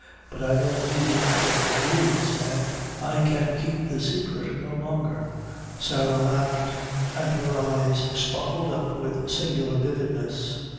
but I know who the murdherer is, an' I can keep the saicret no longer!" Sarah laughed, and her eyes sparkled up with singular vividness.